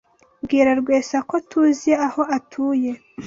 Bwira Rwesa ko TUZI aho atuye.